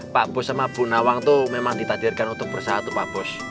pak bos sama bu nawang tuh memang ditadirkan untuk bersatu pak bos